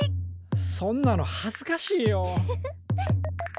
そんなの恥ずかしいよ。